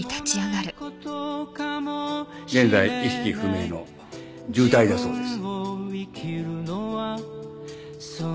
現在意識不明の重体だそうです。